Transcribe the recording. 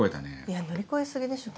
いや乗り越え過ぎでしょ。